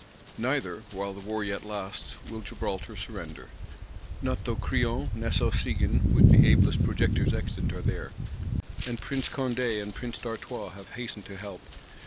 Neither, while the War yet lasts, will Gibraltar surrender. Not though Crillon, Nassau Siegen, with the ablest projectors extant, are there; and Prince Condé and Prince d'Artois have hastened to help.